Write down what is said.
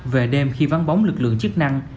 về đêm khi vắng bóng lực lượng chức năng